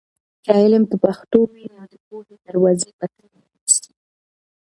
که علم په پښتو وي، نو د پوهې دروازې به تل پرانیستې وي.